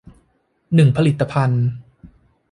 หนึ่งผลิตภัณฑ์